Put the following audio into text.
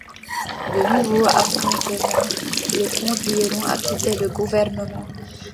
De nouveaux affrontements, le conduiront à quitter le gouvernement.